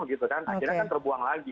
akhirnya kan terbuang lagi